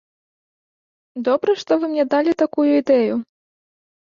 Добра, што вы мне далі такую ідэю.